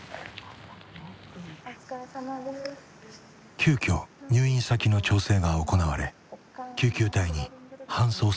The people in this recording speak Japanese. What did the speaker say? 急きょ入院先の調整が行われ救急隊に搬送されることになった。